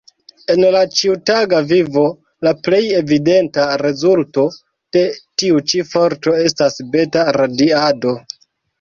En la ĉiutaga vivo, la plej evidenta rezulto de tiu ĉi forto estas beta-radiado.